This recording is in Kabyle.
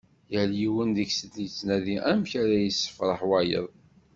Yal yiwen deg-sen yettnadi amek ara yessefreḥ wayeḍ.